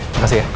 oke makasih ya